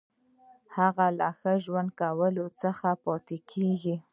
هغه له ښه ژوند کولو څخه پاتې کیږي.